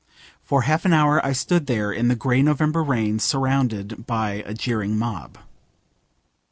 For half an hour I stood there in the grey November rain surrounded by a jeering mob.